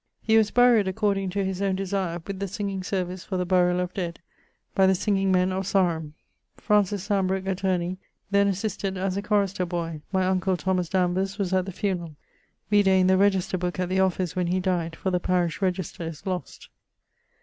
He was buryed (according to his owne desire) with the singing service for the buriall of dead, by the singing men of Sarum. Fr Sambroke (attorney) then assisted as a chorister boy; my uncle, Thomas Danvers, was at the funerall. Vide in the Register booke at the office when he dyed, for the parish register is lost.